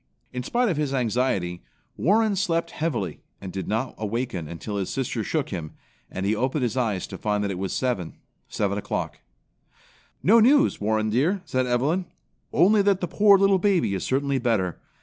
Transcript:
In spite of his anxiety, Warren slept heavily and did not awaken until his sister shook him, and he opened his eyes to find that it was seven, 7 o'clock. "No news, Warren dear," said Evelyn. "Only that that poor little baby is certainly better.